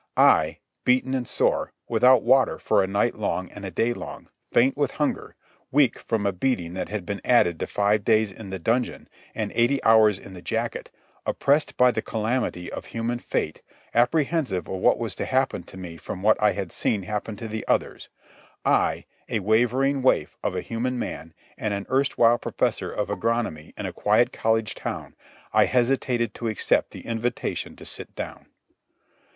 I, beaten and sore, without water for a night long and a day long, faint with hunger, weak from a beating that had been added to five days in the dungeon and eighty hours in the jacket, oppressed by the calamity of human fate, apprehensive of what was to happen to me from what I had seen happen to the others—I, a wavering waif of a human man and an erstwhile professor of agronomy in a quiet college town, I hesitated to accept the invitation to sit down.